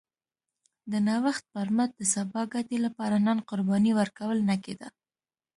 د نوښت پر مټ د سبا ګټې لپاره نن قرباني ورکول نه کېده